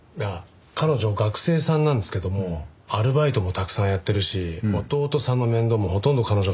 彼女学生さんなんですけどもアルバイトもたくさんやってるし弟さんの面倒もほとんど彼女が見てるんですよ。